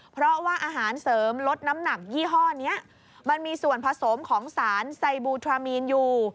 เพราะว่าอาหารเสริมลดน้ำหนักยี่ห้อนี้มันมีส่วนผสมของสารไซบูทรามีนอยู่